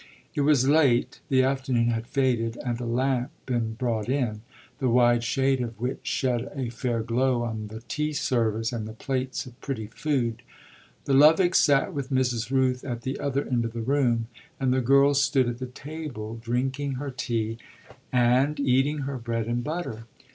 It was late; the afternoon had faded and a lamp been brought in, the wide shade of which shed a fair glow on the tea service and the plates of pretty food. The Lovicks sat with Mrs. Rooth at the other end of the room, and the girl stood at the table, drinking her tea and eating her bread and butter.